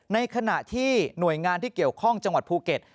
ในขณะที่หน่วยงานที่เกี่ยวข้องจังหวัดภูเก็ต